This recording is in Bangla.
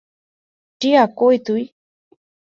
টিয়া কই তুই?